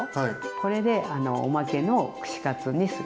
これであのおまけの串カツにする。